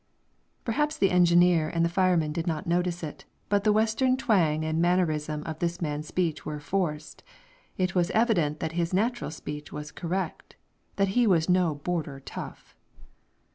Perhaps the engineer and fireman did not notice it, but the Western twang and mannerism of this man's speech were forced; it was evident that his natural speech was correct that he was no border tough.